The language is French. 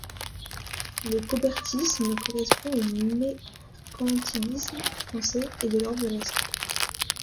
Le colbertisme correspond au mercantilisme français et de l'Europe de l'Est.